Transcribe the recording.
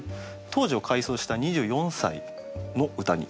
当時を回想した２４歳の歌になります。